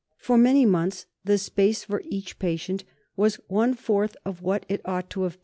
For many months the space for each patient was one fourth of what it ought to have been.